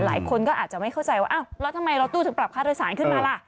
หลายคนก็อาจจะไม่เข้าใจว่าอ้าวแล้วทำไมเราตู้ถึงปรับค่าโดยสารขึ้นมาล่ะ